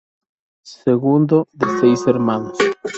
Segundo de seis hermanos.